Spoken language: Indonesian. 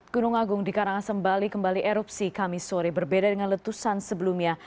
gunung agung di karangasem bali kembali erupsi kami sore berbeda dengan letusan sebelumnya